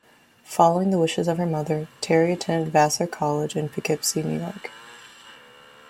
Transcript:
Following the wishes of her mother, Terry attended Vassar College in Poughkeepsie, New York.